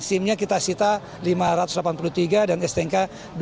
simc kita sita lima ratus delapan puluh tiga dan stnk dua ratus dua puluh sembilan